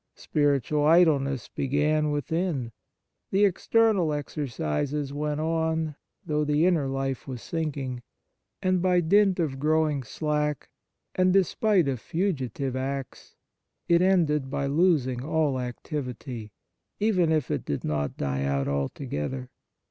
Spiritual idleness began within ; the external exercises went on, though the inner life was sinking; and by dint of growing slack, and despite of fugitive acts, it ended by losing all activity, even if it did not die out altogether.